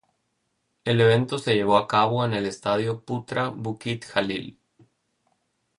El evento se llevó a cabo en el estadio Putra Bukit Jalil.